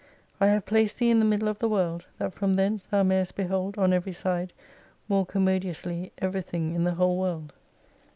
I have placed thee in the middle of the world, that from thence thou mayest behold on every side more commodiously everything in the whole world.